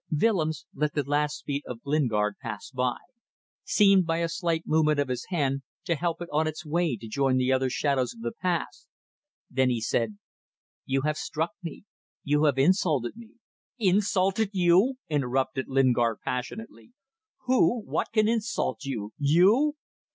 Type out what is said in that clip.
Willems let the last speech of Lingard pass by; seemed by a slight movement of his hand to help it on its way to join the other shadows of the past. Then he said "You have struck me; you have insulted me ..." "Insulted you!" interrupted Lingard, passionately. "Who what can insult you ... you